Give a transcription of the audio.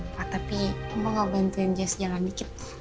pak tapi mau gak bantuin jazz jalan dikit